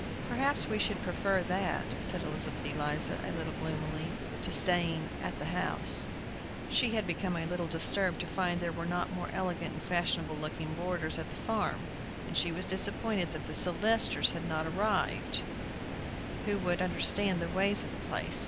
"Perhaps we should prefer that," said Elizabeth Eliza, a little gloomily, "to staying at the house." She had been a little disturbed to find there were not more elegant and fashionable looking boarders at the farm, and she was disappointed that the Sylvesters had not arrived, who would understand the ways of the place.